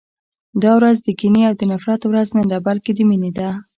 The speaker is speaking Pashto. دا ورځ د کینې او د نفرت ورځ نه ده، بلکې د مینې ده.